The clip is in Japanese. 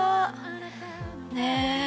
ねえ。